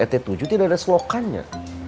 rt tujuh tidak ada selokannya